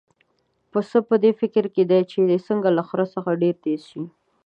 پسه په دې فکر کې دی چې څنګه له خره څخه ډېر تېز شي.